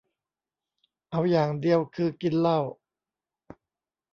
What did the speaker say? เอาอย่างเดียวคือ กินเหล้า